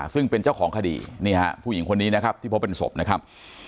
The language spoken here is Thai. ซึ่งเป็นเจ้าของคดีนี่ฮะผู้หญิงคนนี้นะครับที่พบเป็นศพนะครับ